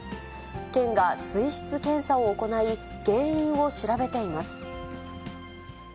県が水質検査を行い、原因を調べています。